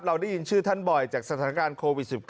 เราได้ยินชื่อท่านบ่อยจากสถานการณ์โควิด๑๙